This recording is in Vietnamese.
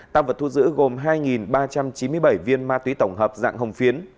tăng vật thu giữ gồm hai ba trăm chín mươi bảy viên ma túy tổng hợp dạng hồng phiến